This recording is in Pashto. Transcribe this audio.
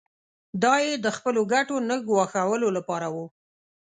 دا یې د خپلو ګټو نه ګواښلو لپاره و.